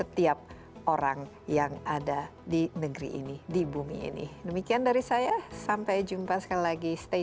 dan tentu saja ini merupakan tanggung jawab dari kita